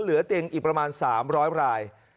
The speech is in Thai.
เหลือเตียงอีกประมาณ๓๐๐ราย